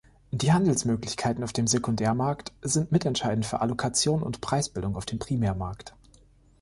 Die Handelsmöglichkeiten auf dem Sekundärmarkt sind mitentscheidend für Allokation und Preisbildung auf dem Primärmarkt.